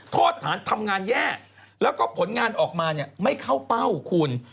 โทษฐานทำงานแย่แล้วก็ผลงานออกมาเนี่ยไม่เข้าเป้าคุณ